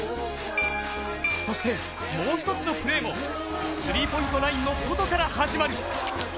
そして、もう一つのプレーもスリーポイントラインの外から始まる。